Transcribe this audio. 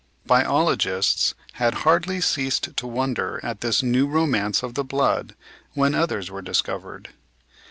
Biologists had hardly ceased to wonder at this new romance of the blood when others were discovered.